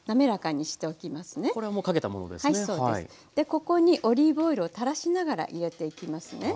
ここにオリーブオイルを垂らしながら入れていきますね。